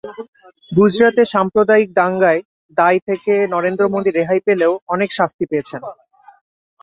গুজরাটে সাম্প্রদায়িক দাঙ্গার দায় থেকে নরেন্দ্র মোদি রেহাই পেলেও অনেকে শাস্তি পেয়েছেন।